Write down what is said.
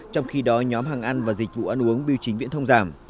trong khi đó nhóm hàng ăn và dịch vụ ăn uống biểu chính viễn thông giảm